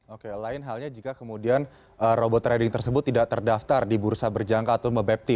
oke lain halnya jika kemudian robot trading tersebut tidak terdaftar di bursa berjangka atau mebepti